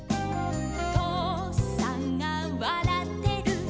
「とうさんがわらってる」